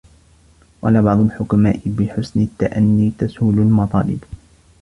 وَقَالَ بَعْضُ الْحُكَمَاءِ بِحُسْنِ التَّأَنِّي تَسْهُلُ الْمَطَالِبُ